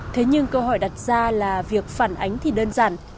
thế nhưng câu hỏi đặt ra là việc phản ánh thì đơn giản